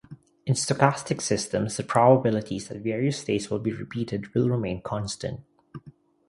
In stochastic systems, the probabilities that various states will be repeated will remain constant.